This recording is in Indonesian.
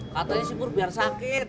katanya si pur biar sakit